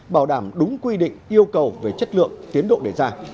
bảo đảm đúng quy định yêu cầu về chất lượng tiến độ đề ra